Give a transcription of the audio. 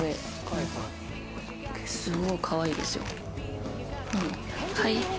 すごいかわいいですよ。